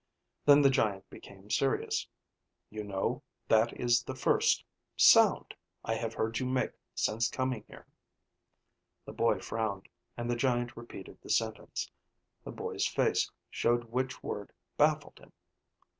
Then the giant became serious. "You know, that is the first sound I have heard you make since coming here." The boy frowned, and the giant repeated the sentence. The boy's face showed which word baffled him.